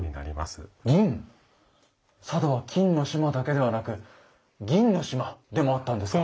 佐渡は金の島だけではなく銀の島でもあったんですか？